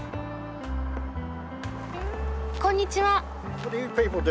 こんにちは。